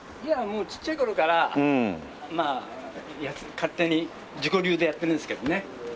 いやもうちっちゃい頃から勝手に自己流でやってるんですけどね。